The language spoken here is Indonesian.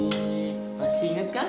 ih pasti inget kan